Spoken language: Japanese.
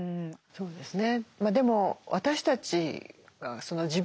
そうですね。